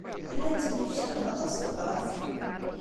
Llan ttemyektaben aṭas n tebṛatin